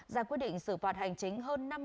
ra quyết định xử phạt hành chính hơn